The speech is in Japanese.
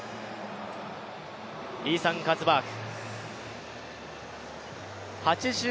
イーサン・カツバーグ。